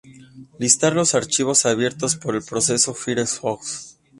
Listar los archivos abiertos por el proceso firefox.